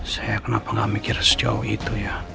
saya kenapa gak mikir sejauh itu ya